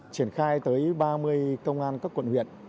triển khai tới ba mươi công an các quận huyện